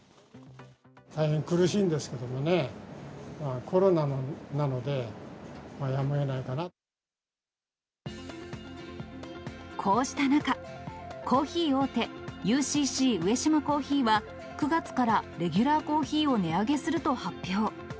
大変苦しいんですけどもね、こうした中、コーヒー大手、ＵＣＣ上島珈琲は９月からレギュラーコーヒーを値上げすると発表。